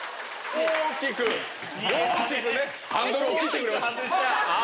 大きく大きくねハンドルを切ってくれました。